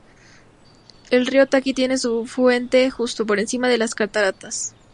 El río Taki tiene su fuente justo por encima de las cataratas.